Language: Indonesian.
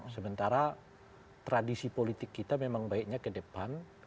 sementara tradisi politik kita memang baiknya ke depan